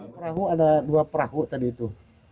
perahu ada dua perahu tadi itu